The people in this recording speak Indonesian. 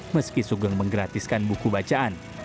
meski sugeng menggratiskan buku bacaan